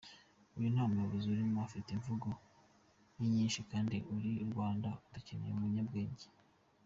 Uyu nta umyobozi umurimo afite imvugo y’inshizi kandi uru Rda dukeneye umunyabwenge.